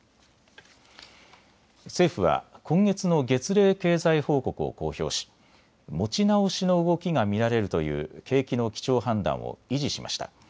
政府は今月の月例経済報告を公表し持ち直しの動きが見られるという景気の基調判断を維持しました。